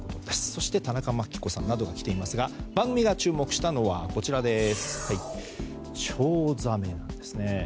そして田中眞紀子さんなどがありますが番組が注目したのはチョウザメです。